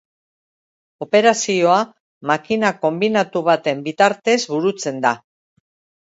Operazioa makina konbinatu baten bitartez burutzen da.